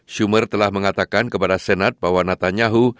schumer telah mengatakan kepada senat bahwa netanyahu